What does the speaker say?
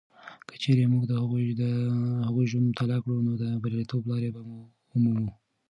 که چیرې موږ د هغوی ژوند مطالعه کړو، نو د بریالیتوب لارې به ومومو.